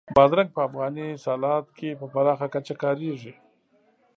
بادرنګ په افغاني سالاد کې په پراخه کچه کارېږي.